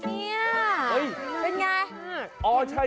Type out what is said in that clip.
นี่เนี่ยเป็นไง